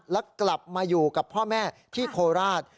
และกลับมาอยู่กับพ่อแม่ที่โคราช